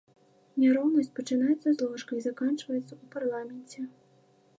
Няроўнасць пачынаецца з ложка і заканчваецца ў парламенце.